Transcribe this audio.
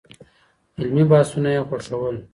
علمي بحثونه يې خوښول.